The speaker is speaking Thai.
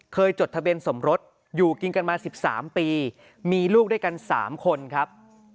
จดทะเบียนสมรสอยู่กินกันมา๑๓ปีมีลูกด้วยกัน๓คนครับ